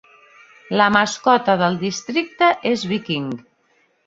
La mascota del districte és Viking.